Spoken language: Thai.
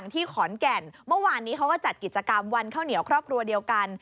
ที่ขอนแก่นเมื่อวานนี้เขาก็จัดกิจกรรมวันข้าวเหนียวครอบครัวเดียวกัน